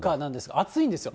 暑いんですよ。